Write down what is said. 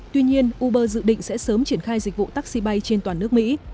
tuy nhiên uber dự định sẽ sớm triển khai dịch vụ taxi bay trên toàn nước mỹ